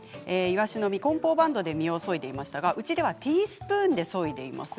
こん包バンドで身をそいでいましたが、うちではティースプーンでそいでいます。